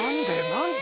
何で？